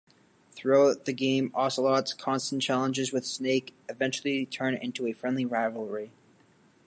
Throughout the game, Ocelot's constant challenges with Snake eventually turn into a friendly rivalry.